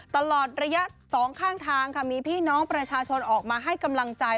ตลอดระยะสองข้างทางค่ะมีพี่น้องประชาชนออกมาให้กำลังใจ